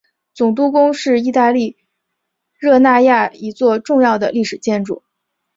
总督宫是意大利热那亚一座重要的历史建筑。